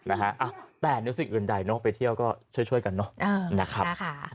นะครับแต่เนื้อสิ่งอื่นใดไปเที่ยวก็ช่วยกันนะครับ